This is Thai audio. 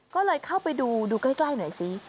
ก็เลยเข้าไปดูดูใกล้หน่อยซิ